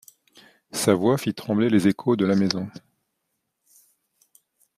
Sa voix fit trembler les échos de la maison.